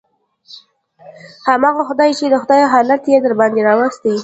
همغه خداى چې دغه حالت يې درباندې راوستى.